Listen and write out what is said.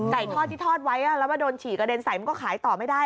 ทอดที่ทอดไว้แล้วว่าโดนฉี่กระเด็นใส่มันก็ขายต่อไม่ได้